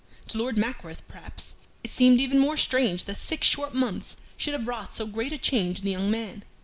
To Lord Mackworth, perhaps, it seemed even more strange that six short months should have wrought so great a change in the young man.